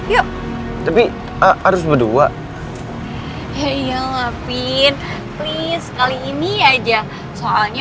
soalnya bokap gue tuh bakalan gak percaya kalau misalnya gue kasih foto lo doang sendiri